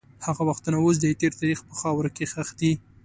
هغه وختونه اوس د تېر تاریخ په خاوره کې ښخ دي.